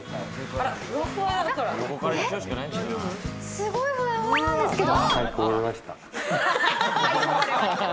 すごい、ふわふわなんですけど。